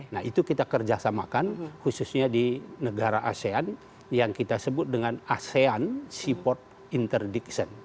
nah itu kita kerjasamakan khususnya di negara asean yang kita sebut dengan asean support interdiction